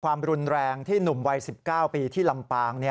ความรุนแรงที่หนุ่มวัย๑๙ปีที่ลำปาง